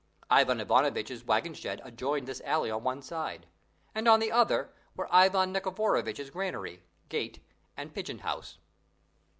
Ivan Ivanovitch's waggon shed adjoined this alley on one side; and on the other were Ivan Nikiforovitch's granary, gate, and pigeon house.